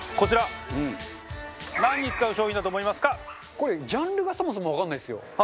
これジャンルがそもそもわかんないんですよ。